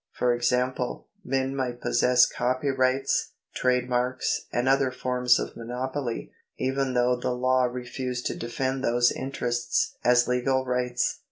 For example, men might possess copyrights, trade marks, and other forms of monopoly, even though the law refused to defend those interests as legal rights.